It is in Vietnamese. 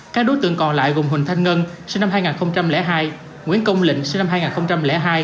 các đối tượng còn lại gồm huỳnh thanh ngân sinh năm hai nghìn hai nguyễn công lĩnh sinh năm hai nghìn hai